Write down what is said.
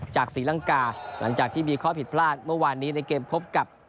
ศรีลังกาหลังจากที่มีข้อผิดพลาดเมื่อวานนี้ในเกมพบกับ